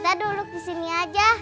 kita duluk disini aja